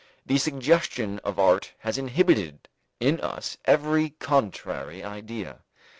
The suggestion of art has inhibited in us every contrary idea.